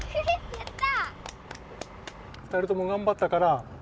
やった！